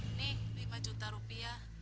ini lima juta rupiah